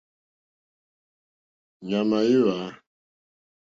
Ɲàmà í hwǎ.